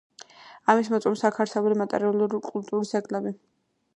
ამას მოწმობს აქ არსებული მატერიალური კულტურის ძეგლები.